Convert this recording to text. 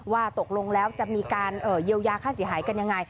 ว่าตกลงแล้วจะมีการเยียวยาค่าเสียหายกันยังไง